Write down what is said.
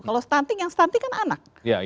kalau stunting yang stunting kan anak